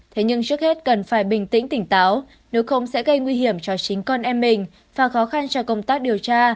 thế nhưng trước hết cần phải bình tĩnh tỉnh táo nếu không sẽ gây nguy hiểm cho chính con em mình và khó khăn cho công tác điều tra